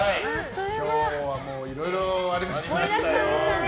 今日はいろいろありましたね。